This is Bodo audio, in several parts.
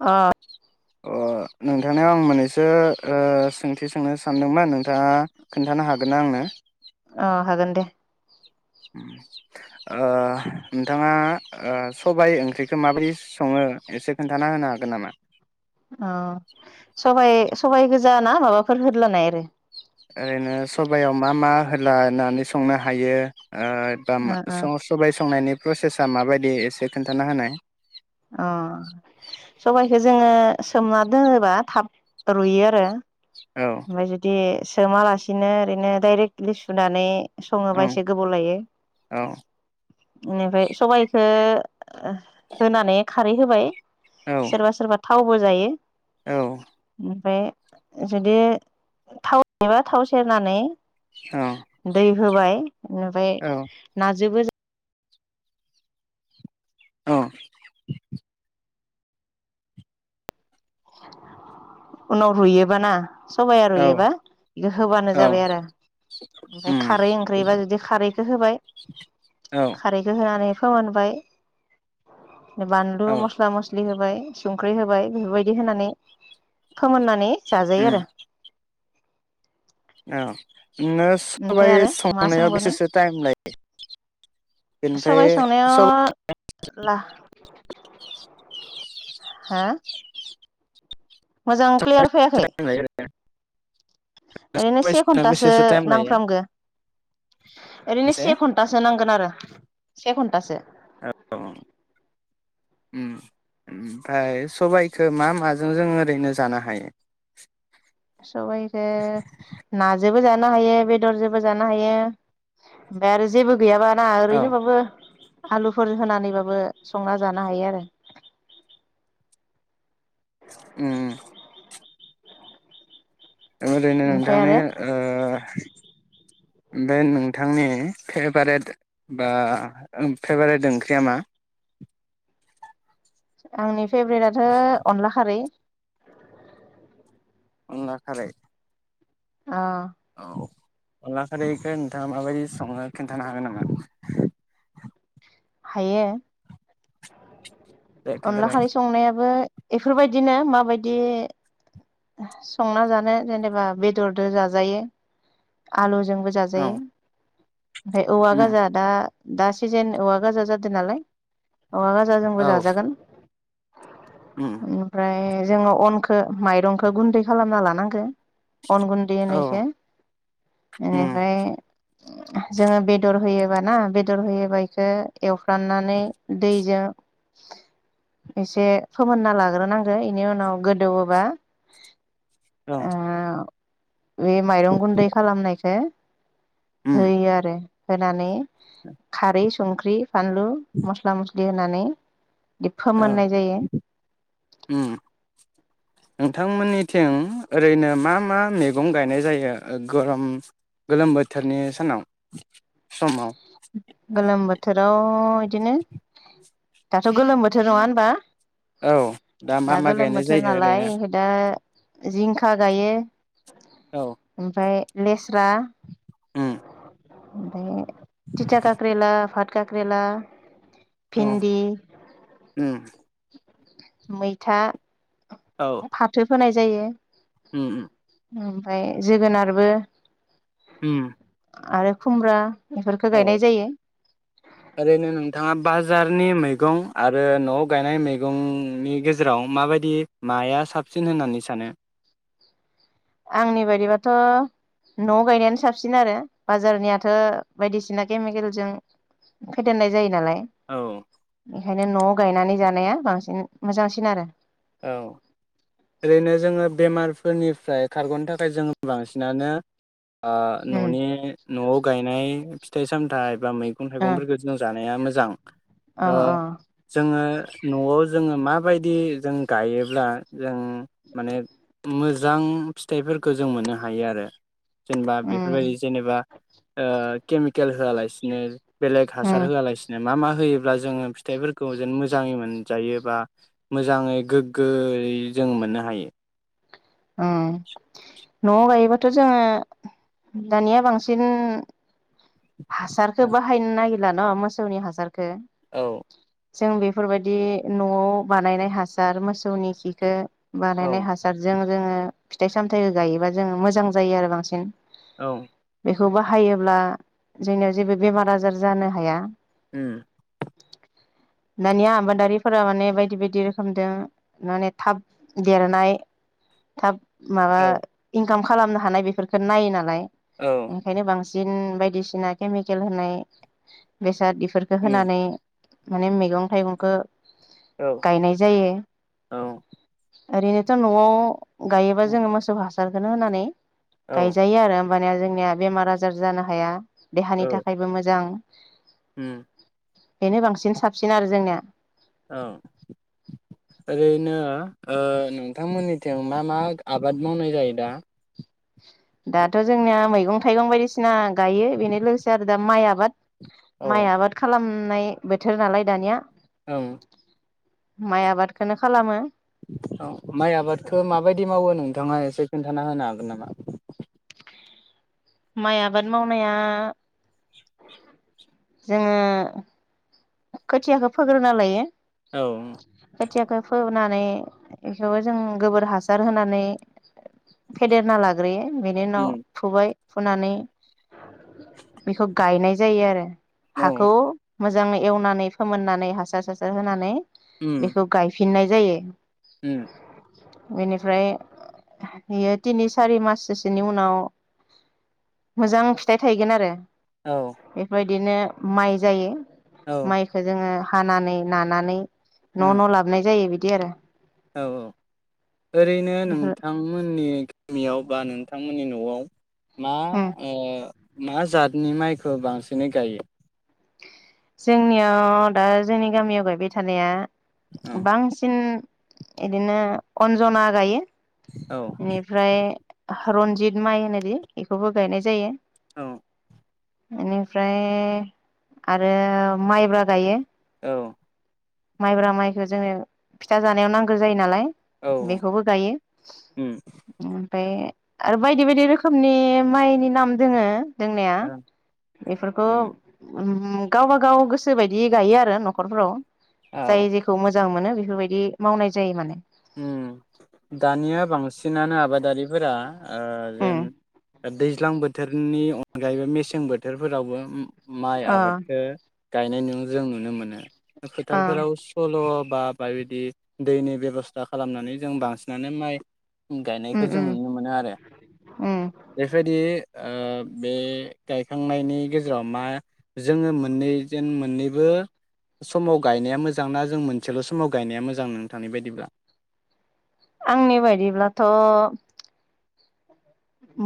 अ अ नोंथांनाव आं मोननैसो सोंथि सोंनो सानदोंमोन नोंथाङा खोन्थानो हागोनना आंनो अ हागोन दे ओ नोंथाङा सबाय ओंख्रिखौ माबायदि सङो एसे खोन्थाना होनो हागोन नामा अ सबाइ सबाइ गोजा ना माबाफोर हलानाय आरो ओरैनो सबायाव मा मा होलानानै संनो हायो ओ बा ओ स सबाय संनायनि प्रसेसा माबायदि एसे खोन्थाना होनाय अ सबायखौ जोङो सोमना दोनोबा थाब रुयो आरो औ ओमफाय जुदि सोमालासिनो ओरैनो दडाइरेक्टलि सुनानै औ सङोबा एसे गोबाव लायो। औ बेनिफ्राय सबायखो होनानै खारै होबाय सोरबा सोरबा थावबो जायो। औ ओमफ्राय जुदि बे थाव एबा थाव सेरनानै दै होबाय निफ्राय औ नाजोबो [unintelligible] अ उनाव रुयोबाना सबाइ औ रुयोबा एबा बेखौ होबानो औ जाबाय आरो ओमफ्राय उम खारै ओंख्रिबा जुदि खारैखौ होबाय औ खारैखौ होनानै फोमोनबाय बानलु औ मस्ला मसलि होबाय संख्रि होबाय बेफोरबायदि बिदि होनानै फोमोननानै उम जाजायो आरो औ बिदिनो ओमफ्राय सबाइ आरो मा संनायाव सोंबावनो बेसेसो टाइम लायो बेनिफ्राय सबाय संनायाव सब ला हा मोजां क्लियार फैयाखै लायो ओरैनो सबाइ से संनायाव घन्टासो बेसेसो टाइम लायो नांफ्रामगो ओरैनो बेसे से घन्टासो नांगोन आरो से घणटासो ओमफाय सबायाइखो मा माजों जों ओरैनो जानो हायो। सबाइखो नाजों जोबो जानो हायो बेदर जोबो जानो हायो फाय आरो जेबो गैयाबा ना औ ओरैनोबाबो आलुफोर होनानैबाबो संना जानो हायो आरो उम ओरैनो ओमफ्राय नोंथांनि आरो ओ बे नोंथांनि फेभारेट बा फेभारेट ओंख्रिया मा? आंनि फेभ्रेटथ' अनला खारै [inaudible] अनला खारै अ औ अनला खारैखो नोंथाङ माबायदि सङो खिथानो हागोन नामा? हायो। दे अनला खोन्थालाय खारै संनायाबो बेफोरबायदिनो माबायदि संना जानो जेनेबा बेदरदो जाजायो आलु जोंबो औ जाजायो ओमफाय औवा उम गाजा दा दा सिजेन औवा गाजा जादो नालाय औवा गाजा जोंबो औ जाजागोन उम ओमफ्राय जोङो अनखो माइरं खो गुन्दै खालामना लानांगो अन गुन्दै औ होनो इखो उम इनिफाय जोङो बेदर होयोबाना बेदर होयोबा इखौ एवफ्राननानै दैजों एसे फोमोनना लाग्रोनांगो इनि उनाव गोदौवोबा औ ओ बे माइरं गुन्दै खालामनायखो उम होयो आरो होनानै खारै संख्रि फानलु मस्ला मस्लि दै होनानै दै फोमोननाय जायो उम नोंथांमोननिथिं ओरैनो मा मा मैगं गायनाय जायो गरम गोलोम बोथोरनि सानाव समाव गोलोम बोथ बोथोराव इदिनो दाथ' गोलोम बोथोर नङा होनबा? औ दा मा मा गोलोम गायनाय बोथोर जायो नालाय ओरैनो ओंखाय दा जिंखा गायो। औ ओमफ्राय लेस्रा [inaudible] उम ओमफ्राय टिटा काक्रेला भाट काक्रेला औ भिन्दि उम मैथा फाथो फोनाय जायो उम उम ओ ओमफ्राय जोगोनारबो हम आरो खुमब्रा बेफोरखौ औ गायनाय जायो ओरैनो नोंथाङा बाजारनि मैगं मैगं आरो न'आव गायनाय मैगंनि गेजेराव माबायदि माया साबसिन होननानै सानो? आंनि बायदिबाथ' नआव' गायनायानो साबसिन आरो बाजारनियाथ' बायदिसिना केमिकेलजों फेदेरनाय जायो नालाय। औ ओंखायनो न'आव गायनानै जानाया बांसिन मोजांसिन आरो औ ओरैनो जोङो बेमारफोरनिफ्राय खारग'नो थाखाय जोङो बांसिनानो उम ओन'नि न'आव गायनाय फिथाइ सामथाइ बा मैगं ओ थाइगफोरखौ जों जानो थानाया मोजां अ ट जोङो न'आव जोङो माबायदि [unintelligible] गायोब्ला जों माने मोजां फिथाइफोरखौ जों मोननो हायो आरो। जेनेबा बेफोरबायदि उम जेनेबा ओ केमिकेल होआलासिनो बेलेग हासार उम होआलासिनो मा मा होयोब्ला जोङो फिथाइफोरखौ जेन मोजाङै मोनजायोबा मोजाङै गोग्गोयै जों मोननो हायो। ओं न'आव गायोबाथ' जोङो दानिया बांसिन हासारखो बाहायनो नागिर न मोसौनि हासार खो औ जों बेफोरबायदि न'आव बानायनाय हासार मोसौनि खिखौ बानायनाय औ हासारजों जोङो। फिथाइ सामथायाइखौ गायोबा जोङो मोजां जायो आरो बांसिन औ बेखौ बाहायोब्ला जोंनियाव जेबो बेमार आजार जानो हाया। ओम दानिया आबादारिफोरा माने बायदि बायदि रोखोमजों माने थाब देरनाय माबा औ [unintelligible] काम खालामनो हानाय बेफोरफोरखो नायो नालाय। औ ओंखायनो बांसिन बायदिसिना सिना केमिकेल होनाय बेसाद बेफोरखौ उम होनानै माने मैगं थाइगंखो औ गायनाय जायो औ ओरैनोथ' न'आव गायोबा औ जोङो मोसौ हा हासारखौनो होनानै औ गायजायो आरो निया‌ जोंनिया बेमार आजार जानो हाया। देहानि थाखायबो मोजां उम बेनो बांसिन साबसिन आरो जोंनिया औ ओरैनो ओ नोंथांमोननिथिं मा मा आबाद मावनाय जायो दा दाथ जोंनिया मैगं थाइगं बायदिसिना गायो बेनो लोगोसे आरो दा माइ आबाद औ माइ आबाद खालाम नाय बोथोर नालाय दानिया औ माइ आबादखौनो खालामो। औ माइ आबादखो माबायदि मावो नोंथाङा एसे खोन्थाना होनो हागोन नामा? माइ आबाद मावनाया जोङो। खोथियाखौ फोग्रोना लायो। औ खोथियाखौ फोनानै बेखौबो जों गोबोर हासार होनानै फेदेरना लाग्रोयो बेनि उनाव फुबाय फुनानै बेखौ गायनाय जायो आरो औ हाखौ मोजाङै एवनानै फोमोननानै हासार सासार होनानै उम बेखौ गायफिन फिननाय जायो। उम बेनिफ्राय बियो तिनि सारि माससोसोनि उनाव मोजां फिथाइ थायगोन आरो। औ बिदिनो माइ जायो। औ माइखो जोङो हानानै नानानै न उम न लाबोनाय जायो बिदि दि आरो औ औ ओरैनो बेफोर नोंथांमोननि गामियाव बा नोंथांमोननि नआव मा उम ओ मा जातनि माइखौ बांसिनै गायो जोंनियाव दा जोंनि गामियाव गायबाय थानाया औ बांसिन इदिनो अन्जना गायो औ बेनिफ्राय रनजित माइ होनोदि बेखौबो गायनाय जायो औ ओनिफ्राय आरो माइब्रा गायो औ माइब्रा माइखौ जोङो फिथा जानायाव नांगौ जायो नालाय औ बेखौबो गायो उम ओमफ्राय आरो बायदि बायदि रोखोमनि माइनि नाम दोङो दोंनाया ओं बेफोरखौ उम गावबा गाव गोसो बायदि गायो आरो न'खरफोराव औ जाय जेखौ मोजां मोनो बेफोरबायदि मावनाय जायो माने उम दानिया बांसिनानो आबादारिफोरा ओ जेन उम दैज्लां बोथोरनि अनगायैबो मेसें बोथोरफोरावबो माइ अ आबादखो गायनाय नु जों नुनो मोनो अ फोथारफोराव सलार बा बबायदि दैनि बेबस्था सा खालामनानै जों बांसिनानो माइ उम गायनायखौ जों उम नुनो मोनो आरो उम बेफोरबायदि ओ बे गायखांनायनि गेजेराव मा जोङो मोननै जेन मोननैबो समाव गायनाया मोजां ना जों मोनसेल' समाव गायनाया मोजां नोंथां बायदिब्ला आंनि बायदिब्लाथ'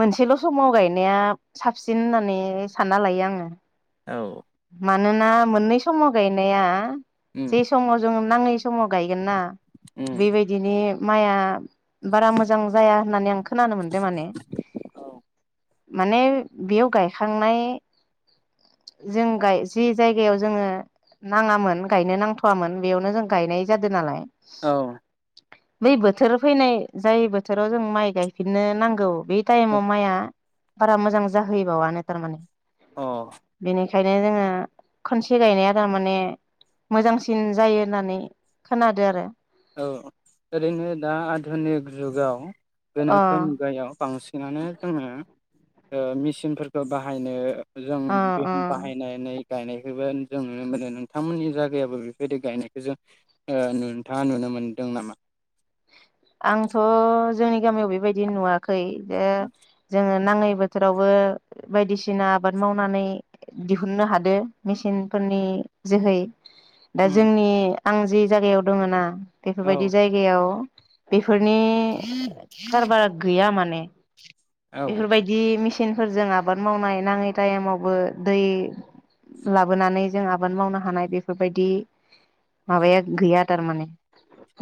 मोनसेल' समाव गायनाया साबसिन होननानै सानना लायो आङो औ मानोना मोननै समाव गायनाया उम जे समाव जोङो नाङै समाव गायगोन ना उम बेबायदिनि माइया बारा मोजां जाया होननानै आं खोनानो मोनदों माने औ माने बेयाव गायखांनाय जों गाय जि जायगायाव जोङो नाङामोन गायनो नांथ'वामोन बेयावनो जों गायनाय जादो नालाय औ बै बोथोर फैनाय जाय बोथोराव जों माइ गायफिननो नांगौ बे टाइमाव माइआ बारा मोजां जाहैयोबावनो थारमाने अ बेनिखायनो जोङो खनसे गायनाया थारमाने मोजांसिन जायो होननानै खोनादो आरो औ ओरैनो दा आधुनिक जुगाव अ गोनोखो मुगायाव बांसिनानो जोङो ओ‌ मेसिनफोरखौ बाहायनो जों अ बे अ बाहायनाय गायनायखौबो जों नुनो मोनो नोंथांमोननि जायगायाबो बेफोरबायदि गायनायखौ जों [unintelligible] नोंथाङा नुनो मोनदों नामा? आंथ' जोंनि गामियाव बेबायदि नुवाखै ओ नाङै बोथोरावबो बायदिसिना आबाद मावनानै दिहुननो हादो मेसिनफोरनि जोहै दा उम जोंनि आं जि जायगायाव दङ ना बेफोरबायदि औ जायगायाव बेफोरनि खारबारा गैया माने औ बेफोरबायदि मि चिनफोरजों आबाद मावनाय नाङै टाइमावबो दै लाबोनानै जों आबाद मावनो हानाय बेफोरबायदि माबाया गैया थारमाने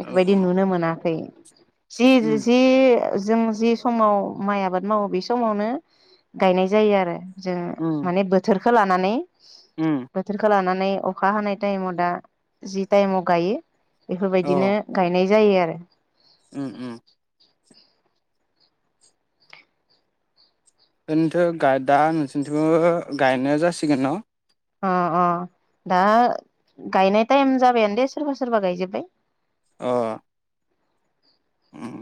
औ नुनो मोनाखै जि उम जि जों जि समाव माइ आबाद मावो बे समावनो गायनाय जायो आरो जों उम माने बोथोर बेखो लानानै उम बोथोरखौ लानानै नै अखा हानाय टाइमाव दा जि टाइमाव गायो अ बेफोरबायदिनो गायनाय जायो आरो उम उम ओरैनोथ' दा नोंसोरनिथि'बो गायनाया जासिगोन न'? अ अ दा गायनाय टाइम जाबायानो दे सोरबा सोरबा गायजोबबाय। अ ओम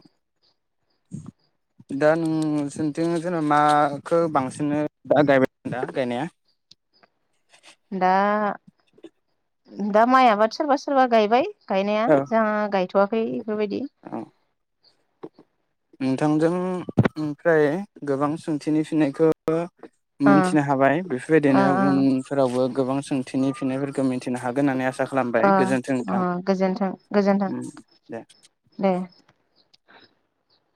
दा नोंसोंथिं जेन' माखौ बांसिन दा गायबाय दा गायनाया दा दा माइ आबाद सोरबा सोरबा गायबाय [unintelligible] गायनाया औ जाहा गायथ'वाखै बेफोरबायदि औ नोंथांजों ओमफ्राय‌ गोबां सोंथिनि फिनायखौ ओ मिथिनो हाबाय ओ बेफोरबायदिनो उनफोरावबो गोबां सोंथिनि फिननायफोरखौ मिथिनो हागोन होननानै आसा खालामबाय गोजोन्थों ओ ओ नोंथां गोजोन्थों गोजोन्थों ओम दे। दे।